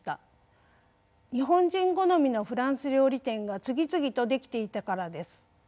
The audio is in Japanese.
日本人好みのフランス料理店が次々と出来ていたからです。